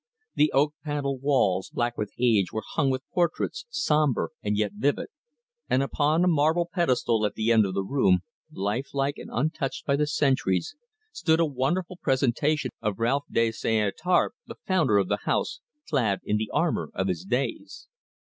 The oak panelled walls, black with age, were hung with portraits, sombre and yet vivid, and upon a marble pedestal at the end of the room, lifelike, and untouched by the centuries, stood a wonderful presentation of Ralph de St. Étarpe, the founder of the house, clad in the armour of his days.